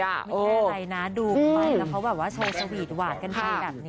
ไม่ได้อะไรนะดูมันแล้วเขาแบบว่าโชว์สวีทหวานกันใช่ไหม